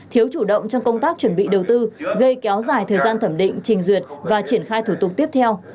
thiếu chủ động trong công tác chuẩn bị đầu tư gây kéo dài thời gian thẩm định trình duyệt và triển khai thủ tục tiếp theo